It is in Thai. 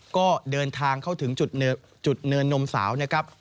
ก็เดินทางเข้าถึงจุดเนินนมสาวนะครับ